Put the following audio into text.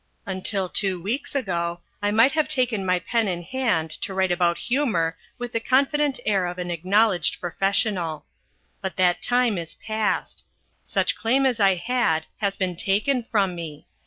Until two weeks ago I might have taken my pen in hand to write about humour with the confident air of an acknowledged professional. But that time is past. Such claim as I had has been taken from me.